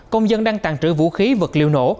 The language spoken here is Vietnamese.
công dân đang tàn trữ vũ khí vật liệu nổ